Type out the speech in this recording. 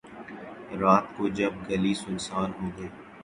رات کو جب گلی سنسان ہو گئی